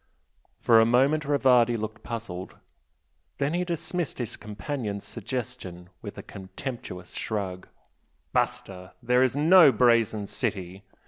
For a moment Rivardi looked puzzled, then he dismissed his companion's suggestion with a contemptuous shrug. "Basta! There is no 'Brazen City'!